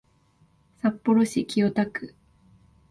札幌市清田区